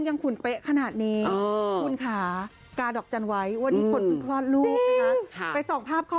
รูปที่คุณแม่ใส่เลี้ยงลูกดูสิคะ